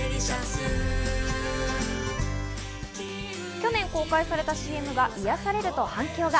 去年公開されたＣＭが癒されると反響が。